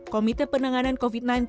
komite penanganan covid sembilan belas